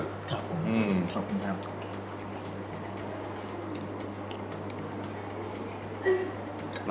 ขอบคุณครับ